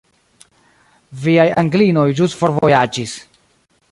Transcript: Viaj Anglinoj ĵus forvojaĝis.